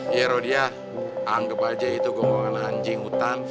iya rodia anggep aja itu gonggongan anjing hutan